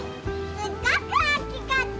すっごく大きかった。